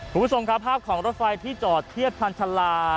คุณผู้ชมครับภาพของรถไฟที่จอดเทียบพันชาลา